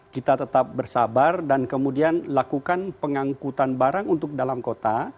kita tetap bersabar dan kemudian lakukan pengangkutan barang untuk dalam kota